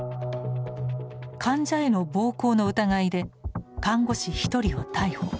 患者への暴行の疑いで看護師１人を逮捕。